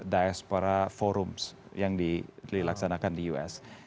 diaspora forum yang dilaksanakan di us